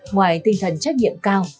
ngoài tinh thần trách nhiệm cao